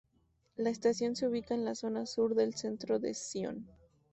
La estación se ubica en la zona sur del centro de Sion.